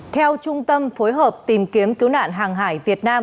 theo trung tâm phối hợp tìm kiếm cứu nạn hàng hải việt nam